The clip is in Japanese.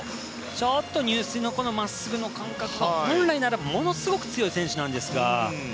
ちょっと入水の真っすぐの感覚が本来ならものすごく強い選手なんですが。